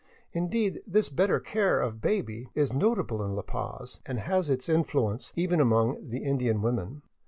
Indeed, this better care of baby is notable in La Paz, and has its influence even among the Indian women.